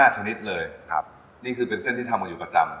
ชนิดเลยนี่คือเป็นเส้นที่ทำกันอยู่ประจำ